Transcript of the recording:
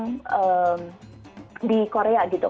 jadi saya bisa di korea gitu